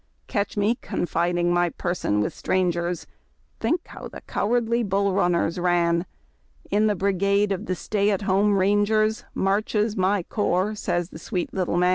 Catch me confiding my person with strangers, Think how the cowardly Bull Runners ran ! In the brigade of the Stay at home Rangers Marches my corps, says the sweet little man.